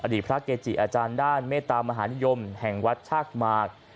พระเกจิอาจารย์ด้านเมตามหานิยมแห่งวัดชากหมาก